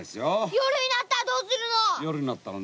夜になったらどうするの。